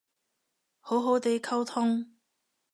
好好哋溝通